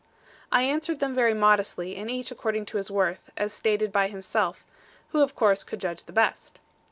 I answered them very modestly, and each according to his worth, as stated by himself, who of course could judge the best.